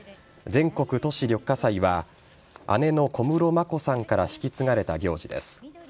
全国都市緑化祭は姉の小室眞子さんから引き継がれた行事です。